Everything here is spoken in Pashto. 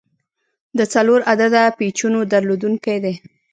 د څلور عدده پیچونو درلودونکی دی.